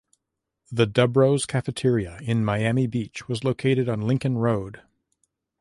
The Dubrow's Cafeteria in Miami Beach was located on Lincoln Road.